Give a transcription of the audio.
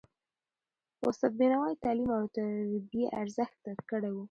استاد بینوا د تعلیم او تربیې ارزښت درک کړی و.